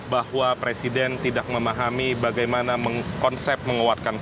bahwa presiden tidak memahami bagaimana konsep menguatkan kpk